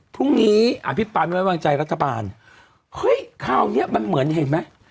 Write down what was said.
อภิปรายไม่วางใจรัฐบาลเฮ้ยคราวเนี้ยมันเหมือนเห็นไหม